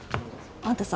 あんたさ